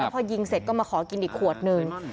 พอยิงเสร็จก็มาขอกินอีกขวดหนึ่ง